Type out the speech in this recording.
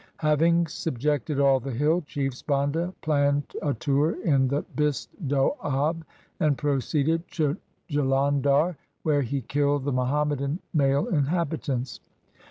Having subjected all the hill chiefs, Banda planned a tour in the Bist Doab, and proceeded to Jalandhar where he killed the Muhammadan male inhabitants.